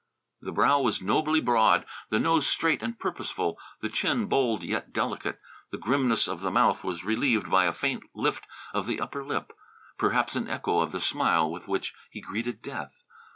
The brow was nobly broad, the nose straight and purposeful, the chin bold yet delicate. The grimness of the mouth was relieved by a faint lift of the upper lip, perhaps an echo of the smile with which he greeted death.